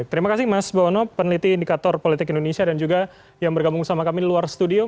terima kasih mas bowono peneliti indikator politik indonesia dan juga yang bergabung bersama kami di luar studio